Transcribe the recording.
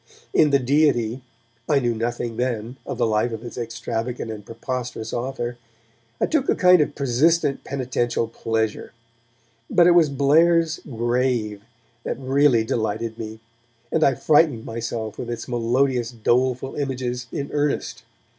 In 'The Deity', I knew nothing then of the life of its extravagant and preposterous author, I took a kind of persistent, penitential pleasure, but it was Blair's 'Grave' that really delighted me, and I frightened myself with its melodious doleful images in earnest.